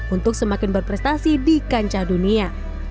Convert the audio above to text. untuk semakin berprestasi di kancah dunia